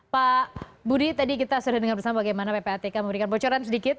pak budi tadi kita sudah dengar bersama bagaimana ppatk memberikan bocoran sedikit